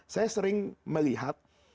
saya sering melihat